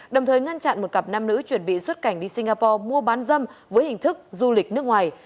đồng thời ngăn chặn một cặp nam nữ chuẩn bị xuất cảnh đi singapore mua bán dâm với hình thức du lịch nước ngoài